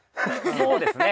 そうですね。